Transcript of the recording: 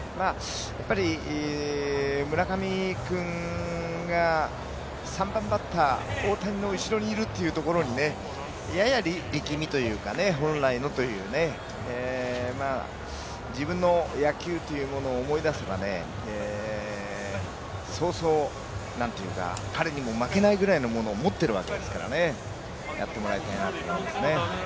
やっぱり村上君が３番バッター、大谷の後ろにいるというところにやや力みというか本来のというね、自分の野球というものを思い出せばそうそう、彼にも負けないぐらいのものを持っているわけですから、やってもらいたいなと思いますけどね。